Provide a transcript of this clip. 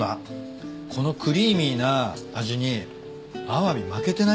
このクリーミーな味にアワビ負けてないっすよ。